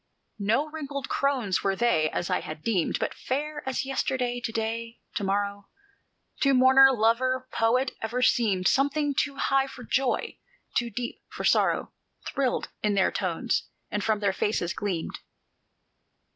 No wrinkled crones were they, as I had deemed, But fair as yesterday, to day, to morrow, To mourner, lover, poet, ever seemed; Something too high for joy, too deep for sorrow, Thrilled in their tones, and from their faces gleamed.